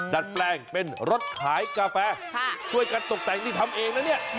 ดัดแปลงเป็นรถขายกาแฟช่วยกันตกแต่งนี่ทำเองนะเนี่ย